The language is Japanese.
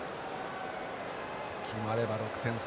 決まれば６点差。